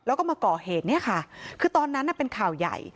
แล้วก็มาก่อเหตุเนี่ยค่ะคือตอนนั้นเป็นข่าวใหญ่